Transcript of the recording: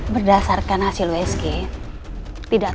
berdasarkan hasil wsg tidak terlihat